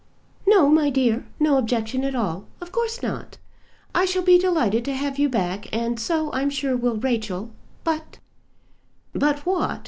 "No, my dear; no objection at all: of course not. I shall be delighted to have you back, and so, I'm sure, will Rachel; but " "But what?